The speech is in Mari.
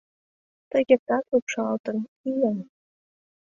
Тый кертат лупшалтын, ийын